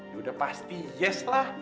yaudah pasti yes lah